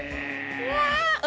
うわ！